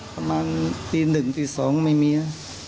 ประมาณตีหนึ่งตีสองไม่มี